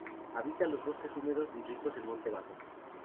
Habita en bosques húmedos y ricos en monte bajo.